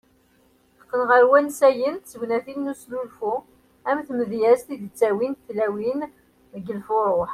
Teqqen ɣer wansayen d tegnatin n usnulfu ,am tmedyazt i d -ttawint tlawin deg lfuruh.